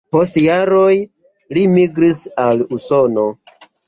Post jaroj li migris al Usono.